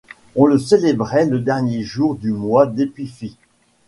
On le célébrait le dernier jour du mois d'Épiphi.